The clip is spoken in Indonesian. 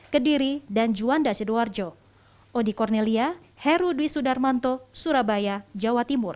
kediri dan juanda sidoarjo